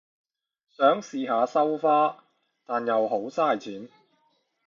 都想試下收花，但又好晒錢